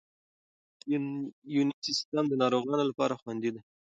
یوني سیسټم د ناروغانو لپاره خوندي دی.